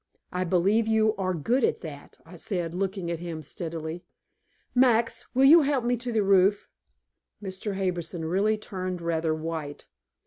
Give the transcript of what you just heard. "I believe you are good at that," I said, looking at him steadily. "Max, will you help me to the roof?" Mr. Harbison really turned rather white.